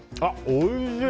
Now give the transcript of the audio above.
おいしい！